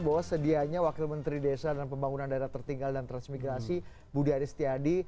bahwa sedianya wakil menteri desa dan pembangunan daerah tertinggal dan transmigrasi budi aristiadi